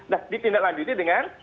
nah ditindak lanjuti dengan